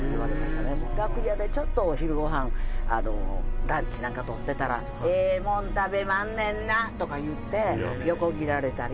楽屋でちょっとお昼ごはんランチなんかとってたら「ええもん食べまんねんな」とか言って横切られたり。